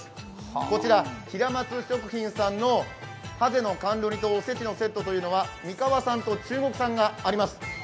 こちら平松食品さんのはぜの甘露煮とおせちのセットは三河産と中国産があります。